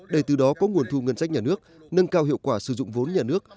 để từ đó có nguồn thu ngân sách nhà nước nâng cao hiệu quả sử dụng vốn nhà nước